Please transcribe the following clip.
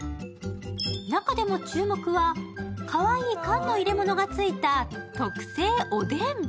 中でも注目はかわいい缶の入れ物がついた特製おでん。